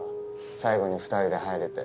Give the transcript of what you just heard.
最後に２人で入れて。